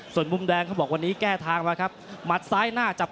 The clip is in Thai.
เดี๋ยวดูนะครับวันนี้ต่างคนต่างเตรียมแผนมาแก้มือครับ